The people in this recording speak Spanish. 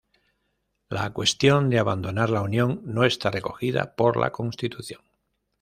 La cuestión de abandonar la Unión no está recogida por la Constitución.